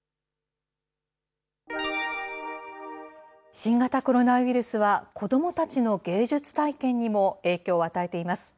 新型コロナウイルスは、子どもたちの芸術体験にも影響を与えています。